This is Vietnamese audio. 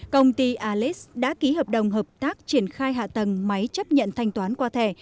công ty aliex đã ký hợp đồng hợp tác triển khai hạ tầng máy chấp nhận thanh toán qua thẻ